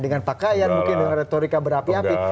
dengan pakaian mungkin dengan retorika berapi api